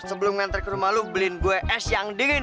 sebelum ngantri ke rumah lu beliin gue es yang dingin